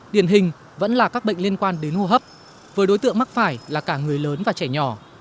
điển hình vẫn là các bệnh liên quan đến hô hấp với đối tượng mắc phải là cả người lớn và trẻ nhỏ